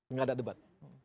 enggak ada debat